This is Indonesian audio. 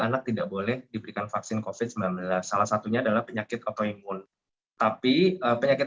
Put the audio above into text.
anak tidak boleh diberikan vaksin covid sembilan belas salah satunya adalah penyakit autoimun tapi penyakit